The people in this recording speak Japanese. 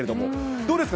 どうですか？